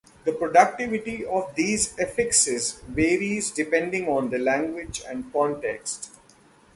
The productivity of these affixes varies depending on the language and context.